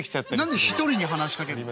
何で１人に話しかけんの？